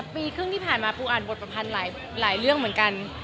ปีครึ่งที่ผ่านมาปูอ่านบทประพันธ์หลายเรื่องเหมือนกัน